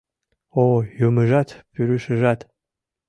Ой, Юмыжат, Пӱрышыжат